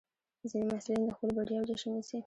ځینې محصلین د خپلو بریاوو جشن نیسي.